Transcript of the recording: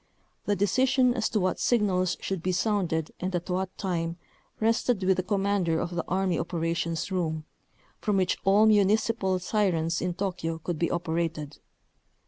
The decision as to what signals should be sounded and at what time rested with the commander of the Army operations room, from which all municipal sirens in Tokyo could be operated.